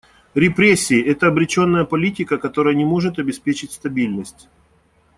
Репрессии — это обреченная политика, которая не может обеспечить стабильность.